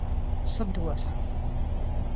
Son dúas.